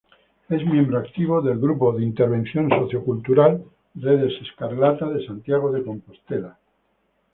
Es miembro activo del grupo de intervención sociocultural Redes Escarlata de Santiago de Compostela.